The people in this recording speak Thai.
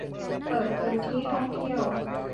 เปิดพื้นที่ท่องเที่ยว